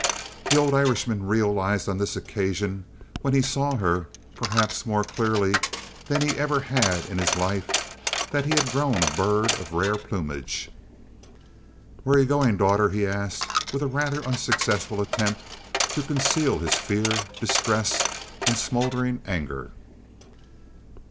The old Irishman realized on this occasion, when he saw her, perhaps more clearly than he ever had in his life, that he had grown a bird of rare plumage. "Where are you going, daughter?" he asked, with a rather unsuccessful attempt to conceal his fear, distress, and smoldering anger.